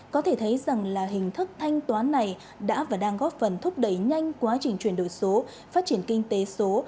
có thể thấy rằng là hình thức thanh toán này đã và đang góp phần thúc đẩy nhanh quá trình chuyển đổi số phát triển kinh tế số